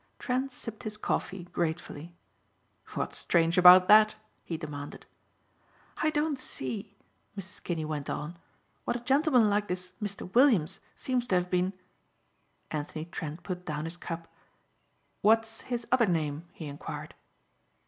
Trent sipped his coffee gratefully. "What's strange about that?" he demanded. "I don't see," Mrs. Kinney went on, "what a gentleman like this Mr. Williams seems to have been " Anthony Trent put down his cup. "What's his other name?" he inquired.